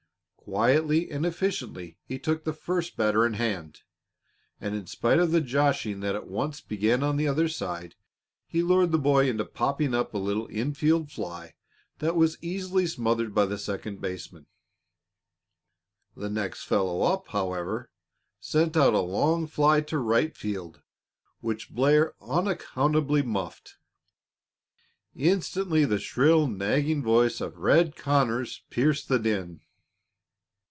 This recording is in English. Quietly and efficiently he took the first batter in hand, and in spite of the joshing that at once began on the other side, he lured the boy into popping up a little infield fly that was easily smothered by the second baseman. The next fellow up, however, sent out a long fly to right field which Blair unaccountably muffed. Instantly the shrill, nagging voice of "Red" Conners pierced the din.